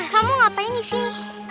kamu ngapain di sini